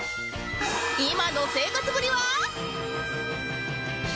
今の生活ぶりは？